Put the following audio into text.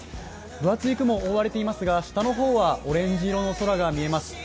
分厚い雲に覆われていますが、下の方はオレンジ色の空が見えます。